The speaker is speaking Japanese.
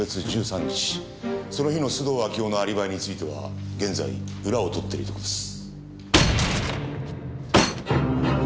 その日の須藤明代のアリバイについては現在裏を取っているとこです。